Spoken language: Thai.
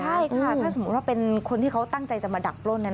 ใช่ค่ะถ้าสมมุติว่าเป็นคนที่เขาตั้งใจจะมาดักปล้น